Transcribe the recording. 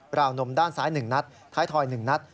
เปล่านมด้านซ้าย๑นัฐท้ายถอย๑นัฐ